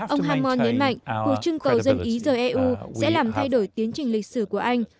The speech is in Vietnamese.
ông hammon nhấn mạnh cuộc trưng cầu dân ý rời eu sẽ làm thay đổi tiến trình lịch sử của anh